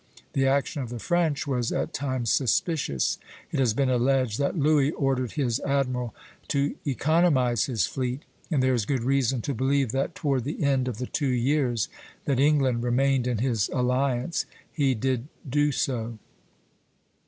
The action of the French was at times suspicious; it has been alleged that Louis ordered his admiral to economize his fleet, and there is good reason to believe that toward the end of the two years that England remained in his alliance he did do so.